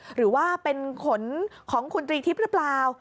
หรือว่าเป็นขนของคุณตรีทิพย์หรือเปล่า